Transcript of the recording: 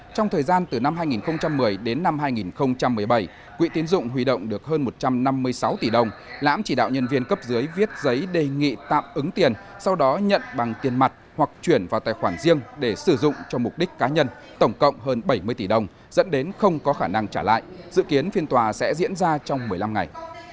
trong thời gian từ năm hai nghìn một mươi đến năm hai nghìn một mươi bảy quỹ tiến dụng huy động được hơn một trăm năm mươi sáu tỷ đồng lãm chỉ đạo nhân viên cấp dưới viết giấy đề nghị tạm ứng tiền sau đó nhận bằng tiền mặt hoặc chuyển vào tài khoản riêng để sử dụng cho mục đích cá nhân tổng cộng hơn bảy mươi tỷ đồng dẫn đến không có khả năng trả lại dự kiến phiên tòa sẽ diễn ra trong một mươi năm ngày